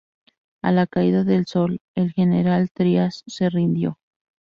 A la caída del sol, el general Trías se rindió.